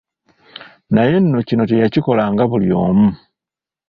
Naye nno kino teyakikolanga buli omu.